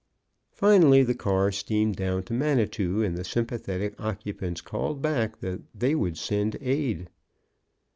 Finally the car steamed down to Manitou, and the sympathetic occupants called back that they would send aid.